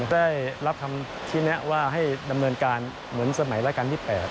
ได้รับคำชี้แนะว่าให้ดำเนินการเหมือนสมัยราชการที่๘